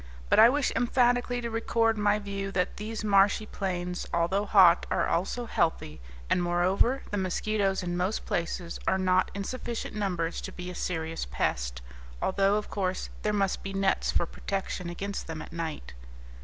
But I wish emphatically to record my view that these marshy plains, although hot, are also healthy; and, moreover, the mosquitoes, in most places, are not in sufficient numbers to be a serious pest, although of course there must be nets for protection against them at night.